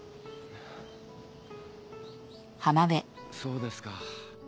そうですか。